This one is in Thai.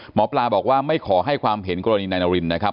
หมอปลาบอกว่าไม่ขอให้ความเห็นกรณีนายนารินนะครับ